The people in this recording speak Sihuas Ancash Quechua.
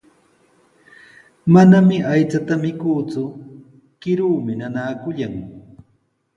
Manami aychata mikuuku, kiruumi nanaakullan.